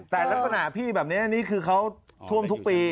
แต่ลักษณะพี่แบบนี้นี่คือเขาท่วมทุกปี